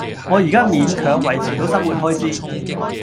我而家勉強維持到生活開支